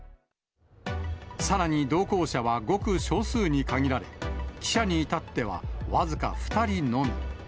さらに、同行者はごく少数に限られ、記者にいたっては僅か２人のみ。